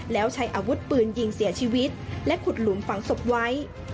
แล้วใช้อาวุธปืนยิงเสียชีวิตและขุดหลุมฝังศพไว้